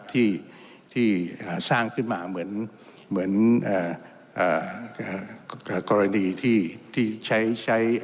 ที่สร้างขึ้นมาเหมือนกรณีที่ใช้